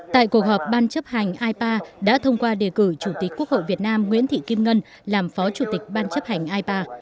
tại cuộc họp ban chấp hành ipa đã thông qua đề cử chủ tịch quốc hội việt nam nguyễn thị kim ngân làm phó chủ tịch ban chấp hành ipa